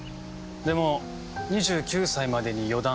でも２９歳までに四段。